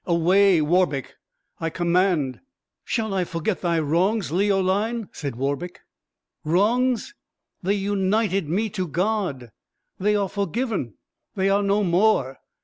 Away, Warbeck! I command." "Shall I forget thy wrongs, Leoline?" said Warbeck. "Wrongs! they united me to God! they are forgiven, they are no more.